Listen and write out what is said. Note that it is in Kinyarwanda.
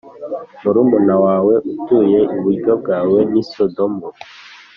murumuna wawe utuye iburyo bwawe ni Sodomu